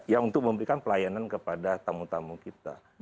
ya untuk memberikan pelayanan kepada tamu tamu kita